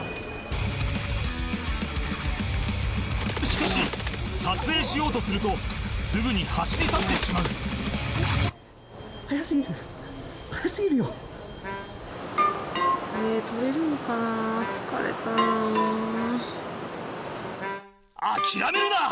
しかし撮影しようとするとすぐに走り去ってしまう諦めるな！